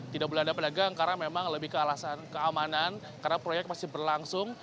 tidak boleh ada pedagang karena memang lebih ke alasan keamanan karena proyek masih berlangsung